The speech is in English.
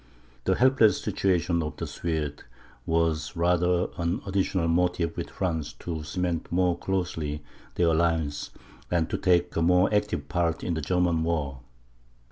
The helpless situation of the Swedes, was rather an additional motive with France to cement more closely their alliance, and to take a more active part in the German war.